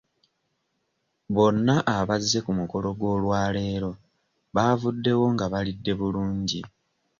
Bonna abazze ku mukolo gw'olwaleero baavuddewo nga balidde bulungi.